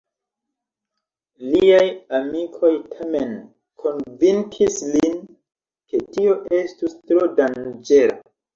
Liaj amikoj tamen konvinkis lin, ke tio estus tro danĝera.